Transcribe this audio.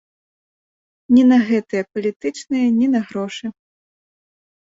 Ні на гэтыя палітычныя, ні на грошы.